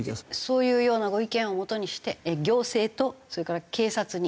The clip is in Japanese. そういうようなご意見をもとにして行政とそれから警察に聞いてみました。